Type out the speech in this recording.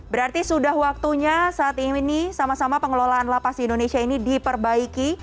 berarti sudah waktunya saat ini nih sama sama pengelolaan lapas di indonesia ini diperbaiki